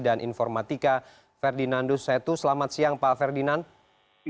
dan informatika ferdinandus setu selamat siang pak ferdinand